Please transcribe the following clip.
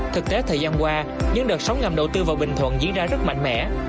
thực tế thời gian qua những đợt sóng ngầm đầu tư vào bình thuận diễn ra rất mạnh mẽ